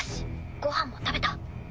ご飯も食べた。